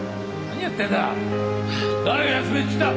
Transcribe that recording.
何やってんだ。